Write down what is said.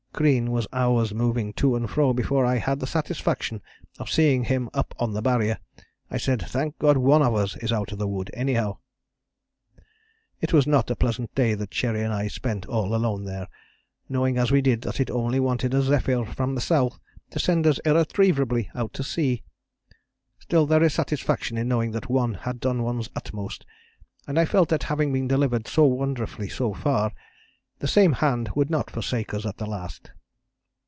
Crean was hours moving to and fro before I had the satisfaction of seeing him up on the Barrier. I said: 'Thank God one of us is out of the wood, anyhow.' "It was not a pleasant day that Cherry and I spent all alone there, knowing as we did that it only wanted a zephyr from the south to send us irretrievably out to sea; still there is satisfaction in knowing that one has done one's utmost, and I felt that having been delivered so wonderfully so far, the same Hand would not forsake us at the last.